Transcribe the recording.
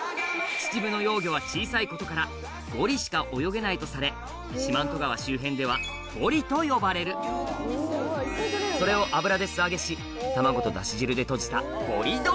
チチブの幼魚は小さいことから五里しか泳げないとされ四万十川周辺では「ゴリ」と呼ばれるそれを油で素揚げし卵とダシ汁でとじたごり丼！